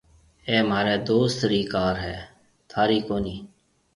اَي مهاريَ دوست رِي ڪار هيَ ٿارِي ڪونَي